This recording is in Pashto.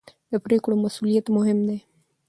د پرېکړو مسوولیت مهم دی